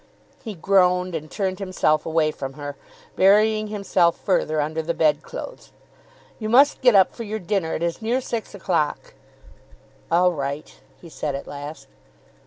He groaned, and turned himself away from her, burying himself, further under the bedclothes. "You must get up for your dinner. It is near six o'clock." "All right," he said at last.